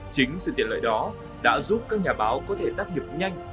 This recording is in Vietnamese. chính sự tiện lợi đó đã giúp các nhà báo có thể tác nghiệp nhanh